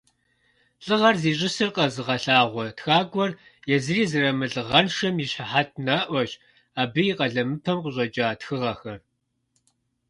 ЛӀыгъэр зищӀысыр къэзыгъэлъагъуэ тхакӀуэр езыри зэрымылӀыгъэншэм и щыхьэт наӀуэщ абы и къалэмыпэм къыщӀэкӀа тхыгъэхэр.